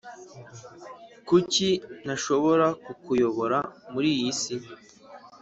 kuki ntashobora kukuyobora muri iyi si?